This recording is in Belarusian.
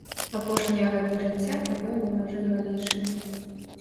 Апошнія гады жыцця правёў на мяжы галечы.